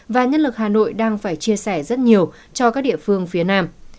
và nhân lực hà nội đang phải chia sẻ rất nhiều cho các địa phương phía nam